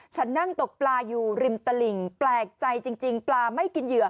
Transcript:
ฉันนั่งตกปลาอยู่ริมตลิ่งแปลกใจจริงปลาไม่กินเหยื่อ